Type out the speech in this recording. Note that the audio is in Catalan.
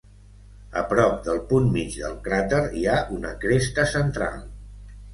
A prop del punt mig del cràter, hi ha una cresta central.